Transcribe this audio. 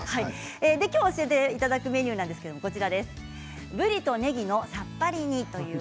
今日教えていただくメニューはぶりとねぎのさっぱり煮。